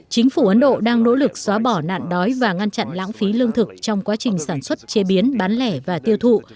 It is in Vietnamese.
chính phủ ấn độ đang nỗ lực xóa bỏ nạn đói và ngăn chặn lãng phí lương thực trong quá trình sản xuất chế biến bán lẻ và tiêu thụ